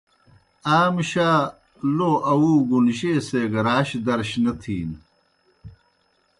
آ مُشا لو آوُوگُن جیئے سے گہ راش درش نہ تِھینوْ۔